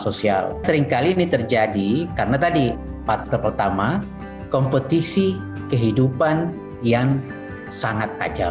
sosial seringkali ini terjadi karena tadi part pertama kompetisi kehidupan yang sangat ajak